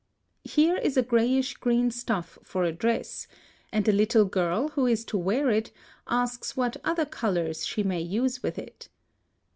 (156) Here is a grayish green stuff for a dress, and the little girl who is to wear it asks what other colors she may use with it.